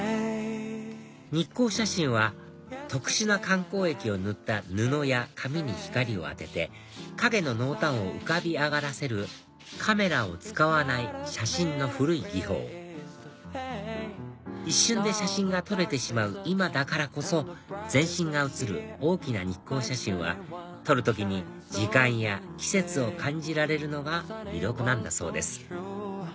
日光写真は特殊な感光液を塗った布や紙に光を当てて影の濃淡を浮かび上がらせるカメラを使わない写真の古い技法一瞬で写真が撮れてしまう今だからこそ全身が写る大きな日光写真は撮る時に時間や季節を感じられるのが魅力なんだそうです